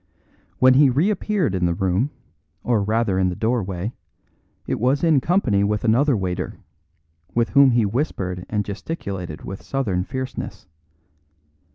When he reappeared in the room, or rather in the doorway, it was in company with another waiter, with whom he whispered and gesticulated with southern fierceness.